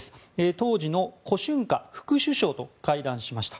当時のコ・シュンカ副首相と会談しました。